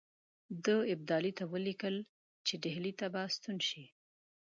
ده ابدالي ته ولیکل چې ډهلي ته به ستون شي.